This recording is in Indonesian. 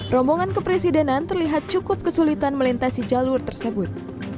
rombongan kepresidenan terlihat cukup kesulitan melintasi jalur tersebut